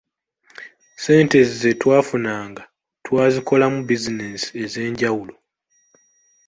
Ssente ze twafunanga twazikolamu bizinensi ez’enjawulo.